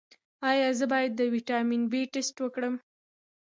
ایا زه باید د ویټامین بي ټسټ وکړم؟